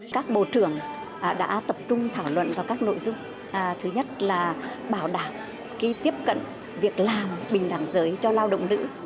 các bộ trưởng đã tập trung thảo luận vào các nội dung thứ nhất là bảo đảm tiếp cận việc làm bình đẳng giới cho lao động nữ